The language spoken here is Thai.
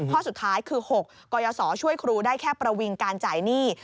ข้อสุดท้ายคือ๖กรยศช่วยครูได้แค่ประวิงการจ่ายหนี้